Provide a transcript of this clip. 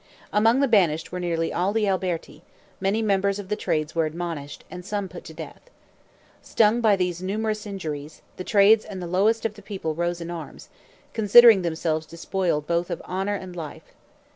Among the banished were nearly all the Alberti; many members of the trades were admonished, and some put to death. Stung by these numerous injuries, the trades and the lowest of the people rose in arms, considering themselves despoiled both of honor and life.